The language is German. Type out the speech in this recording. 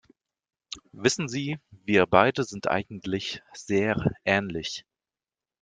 Wissen Sie, wir beide sind eigentlich sehr ähnlich.